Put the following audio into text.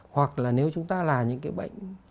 hoặc là nếu chúng ta là những cái bệnh